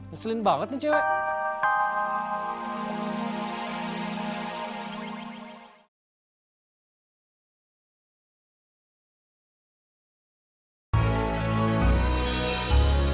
maslin banget nih cewek